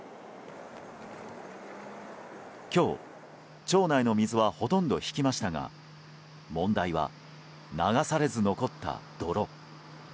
今日、町内の水はほとんど引きましたが問題は、流されず残った泥。